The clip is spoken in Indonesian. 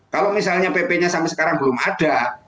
kalau misalnya pp nya sampai sekarang belum ada